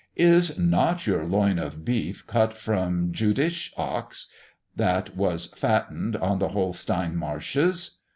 "Is not your loin of beef cut from Jütish ox, that was fattened on the Holstein marshes?